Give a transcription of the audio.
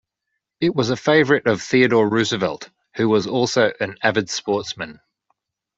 It was a favorite of Theodore Roosevelt, who was also an avid sportsman.